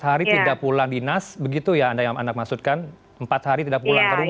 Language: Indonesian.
empat belas hari tidak pulang dinas begitu ya anda yang anda maksudkan empat hari tidak pulang ke rumah